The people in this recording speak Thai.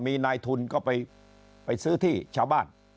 มีนายทุนก็ไปซื้อที่ชาวบ้าน